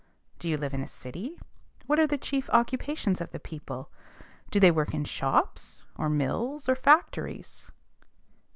Do you live in a city? What are the chief occupations of the people? Do they work in shops or mills or factories?